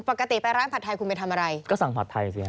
ปกติไปร้านผัดไทยคุณไปทำอะไรก็สั่งผัดไทยสิฮ